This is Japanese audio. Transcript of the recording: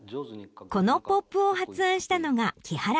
このポップを発案したのが木原さん。